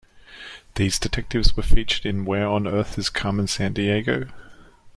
These detectives were featured in Where on Earth Is Carmen Sandiego?